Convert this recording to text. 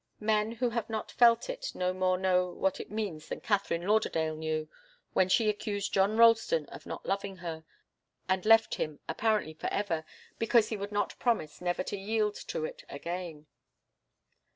Men who have not felt it no more know what it means than Katharine Lauderdale knew, when she accused John Ralston of not loving her, and left him, apparently forever, because he would not promise never to yield to it again.